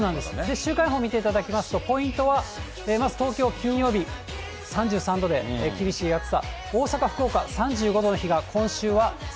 週間予報見ていただきますと、ポイントは、まず東京、金曜日３３度で厳しい暑さ。